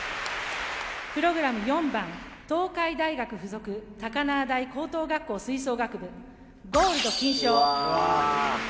プログラム４番、東海大学付属高輪台高等学校、吹奏楽部、ゴールド金賞。